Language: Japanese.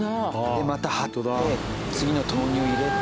でまた張って次の豆乳入れて。